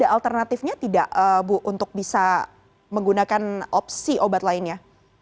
alternatifnya tidak bu untuk bisa menggunakan opsi obat lainnya